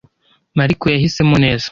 Mariko yahisemo neza.